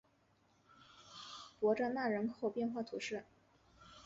伯扎讷人口变化图示